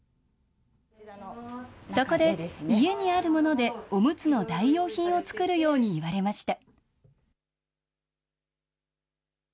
そこで、家にあるもので、おむつの代用品を作るように言われました。